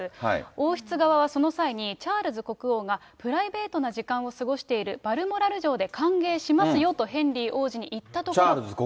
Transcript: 王室側は、その際にチャールズ国王がプライベートな時間を過ごしている、バルモラル城で歓迎しますよとヘンリー王子に言ったところ。